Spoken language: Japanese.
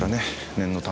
念のため。